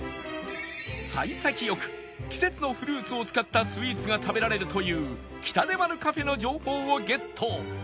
幸先良く季節のフルーツを使ったスイーツが食べられるというキタデマルカフェの情報をゲット！